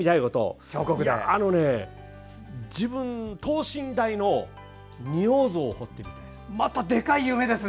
あのね、自分等身大の仁王像を彫ってみたいです。